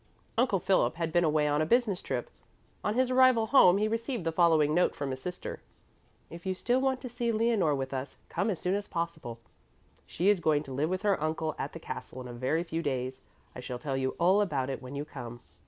Uncle Philip had been away on a business trip. On his arrival home he received the following note from his sister: "If you still want to see Leonore with us, come as soon as possible. She is going to live with her uncle at the castle in a very few days. I shall tell you all about it when you come."